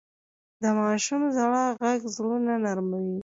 د ماشوم ژړا ږغ زړونه نرموي.